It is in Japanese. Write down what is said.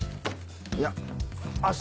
いや明日